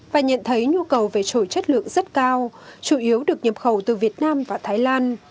và nhận thấy nhu cầu về trội chất lượng rất cao chủ yếu được nhập khẩu từ việt nam và thái lan